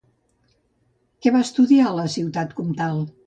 Què va estudiar a la ciutat comtal?